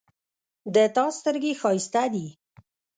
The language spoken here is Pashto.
د تا سترګې ښایسته دي